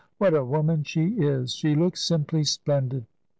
What a woman she is ! She looks simply splendid."